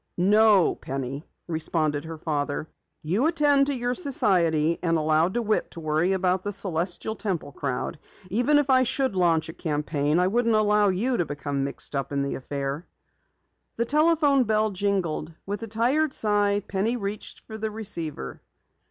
"No, Penny," responded her father. "You attend to your society and allow DeWitt to worry about the Celestial Temple crowd. Even if I should launch a campaign, I couldn't allow you to become mixed up in the affair." The telephone bell jingled. With a tired sigh, Penny reached for the receiver.